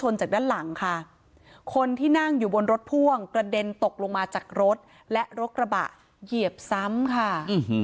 รกระบะเหยียบซ้ำค่ะเหยียบซ้ำ